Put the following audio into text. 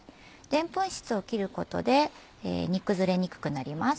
でんぷん質を切ることで煮崩れにくくなります。